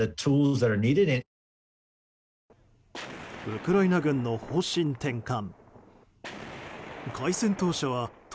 ウクライナ軍の方針転換。